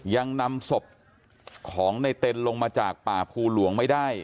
ยังนำศพของในเต็นลงมาจากป่าภูหลวงไม่ได้